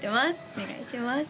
お願いします